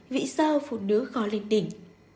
vì sao phụ nữ khó lên đỉnh